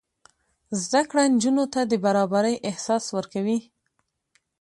زده کړه نجونو ته د برابرۍ احساس ورکوي.